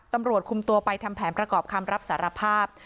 ตำรวจคุมตัวไปทำแผนประกอบคำรับสารภาพ